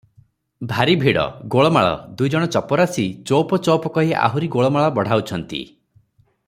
ଭାରି ଭିଡ଼, ଗୋଳମାଳ, ଦୁଇଜଣ ଚପରାଶି ଚୋଓପ ଚୋ-ଓ-ପ କହି ଆହୁରି ଗୋଳମାଳ ବଢ଼ାଉଛନ୍ତି ।